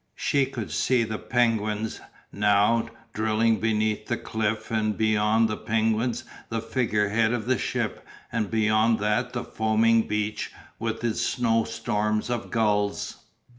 She could see the penguins, now, drilling beneath the cliff and beyond the penguins the figure head of the ship and beyond that the fuming beach with its snow storm of gulls.